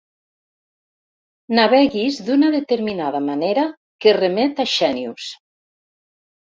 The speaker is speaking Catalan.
Naveguis d'una determinada manera que remet a Xènius.